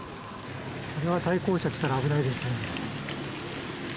これは対向車が来たら危ないですね。